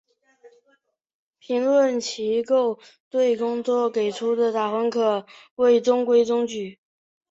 评价机构对本作给出的打分可谓中规中矩。